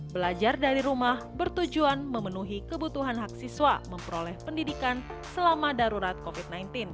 belajar dari rumah bertujuan memenuhi kebutuhan hak siswa memperoleh pendidikan selama darurat covid sembilan belas